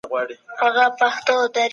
آيا جزيه له هر چا څخه اخيستل کيږي؟